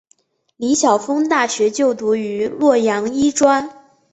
李晓峰大学就读于洛阳医专。